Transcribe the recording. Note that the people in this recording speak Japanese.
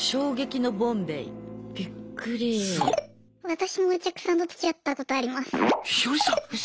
私もお客さんとつきあったことあります。